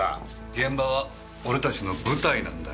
現場は俺たちの舞台なんだよ。